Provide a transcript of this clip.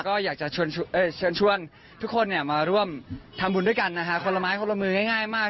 ก็อยากจะเชิญชวนทุกคนมาร่วมทำบุญด้วยกันนะคะคนละไม้คนละมือง่ายมาก